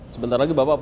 sebentar lagi bapak